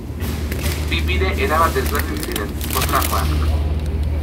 Bi bide erabat desberdin ziren, kontrakoak.